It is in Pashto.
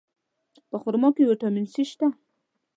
په خرما کې ویټامین C شته.